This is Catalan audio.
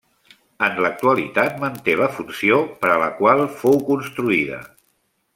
En l'actualitat manté la funció per a la qual fou construïda.